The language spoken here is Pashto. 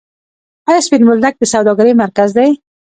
آیا سپین بولدک د سوداګرۍ مرکز دی؟